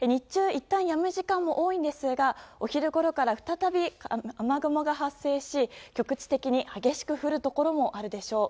いったんやむ時間も多いんですが昼ごろから再び雨雲が発生し局地的に激しく降るところもあるでしょう。